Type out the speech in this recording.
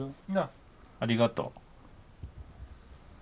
ありがとう。